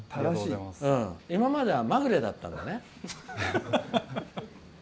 今まではマグレだったんだね。